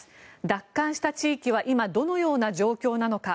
奪還した地域は今どのような状況なのか。